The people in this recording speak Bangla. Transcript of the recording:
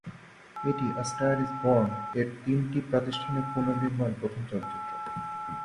এটি "আ স্টার ইজ বর্ন"-এর তিনটি প্রাতিষ্ঠানিক পুনর্নির্মাণের প্রথম চলচ্চিত্র।